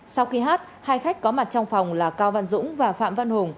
sau khi hát hai khách có mặt trong phòng là cao văn dũng và phạm văn hùng